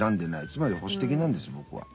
つまり保守的なんです僕は。